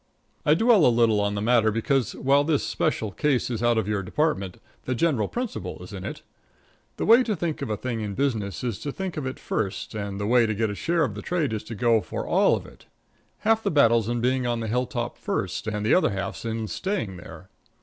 I dwell a little on the matter because, while this special case is out of your department, the general principle is in it. The way to think of a thing in business is to think of it first, and the way to get a share of the trade is to go for all of it. Half the battle's in being on the hilltop first; and the other half's in staying there.